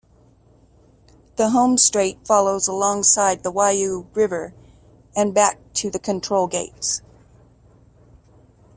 The home straight follows alongside the Waiau River and back to the Control Gates.